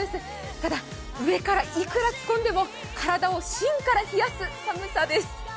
ただ、上からいくら着込んでも体を芯から冷やす寒さです。